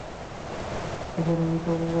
এখন আমি কাঙাল।